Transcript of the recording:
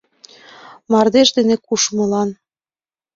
Мардеж дене кушмылан.